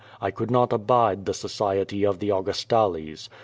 I could not abide the society of the Augustales.